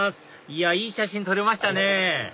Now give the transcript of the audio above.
いやいい写真撮れましたね！